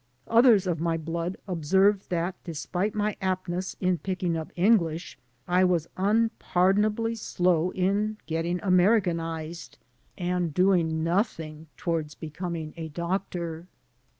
Others of my blood observed that despite my aptness in picking up English, I was unpardonably slow in getting Americanized and doing nothing toward be 160 THE TRAGEDY OF READJUSTMENT coming a doctor.